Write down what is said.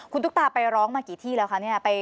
คุณตุ๊กตาไปร้องมากี่ที่แล้วคะเนี่ย